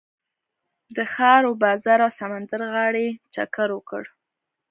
د ښار و بازار او سمندر غاړې چکر وکړ.